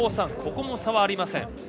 ここも差はありません。